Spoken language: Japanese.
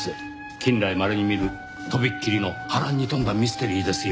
近来まれに見るとびっきりの波乱に富んだミステリーですよ。